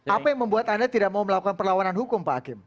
apa yang membuat anda tidak mau melakukan perlawanan hukum pak hakim